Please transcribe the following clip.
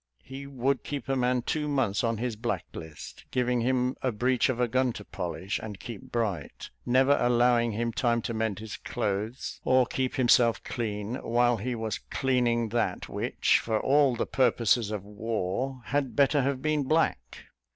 He would keep a man two months on his black list, giving him a breech of a gun to polish and keep bright, never allowing him time to mend his clothes, or keep himself clean, while he was cleaning that which, for all the purposes of war, had better have been black.